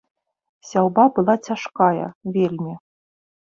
Сяўба была цяжкая вельмі.